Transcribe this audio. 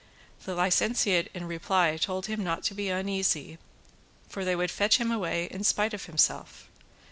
The licentiate in reply told him not to be uneasy, for they would fetch him away in spite of himself.